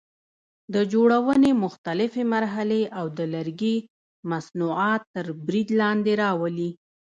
د جوړونې مختلفې مرحلې او د لرګي مصنوعات تر برید لاندې راولي.